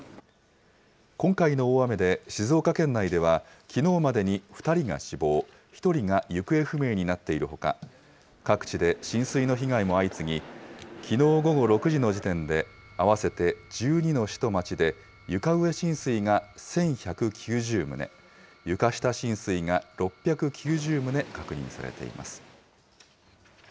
今回の大雨で静岡県内では、きのうまでに２人が死亡、１人が行方不明になっているほか、各地で浸水の被害も相次ぎ、きのう午後６時の時点で合わせて１２の市と町で床上浸水が１１９０棟、床下浸水が６９０棟確認されています。